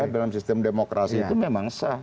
dalam sistem demokrasi itu memang sah